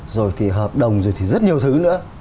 rồi thì hợp đồng rồi thì rất nhiều thứ nữa